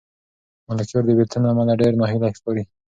ملکیار د بېلتون له امله ډېر ناهیلی ښکاري.